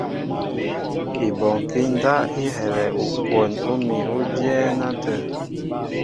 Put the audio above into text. Ibɔnkí ndáp i helɛ ukwon úmi ú dyɛ́ɛ́n átə̂.